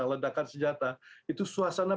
ledakan senjata itu suasana